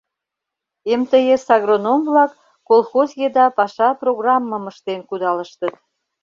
МТС агроном-влак колхоз еда паша программым ыштен кудалыштыт.